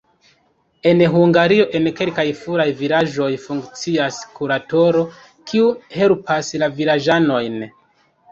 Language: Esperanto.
En Hungario en kelkaj foraj vilaĝoj funkcias kuratoro, kiu helpas la vilaĝanojn.